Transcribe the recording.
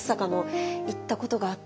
行ったことがあって。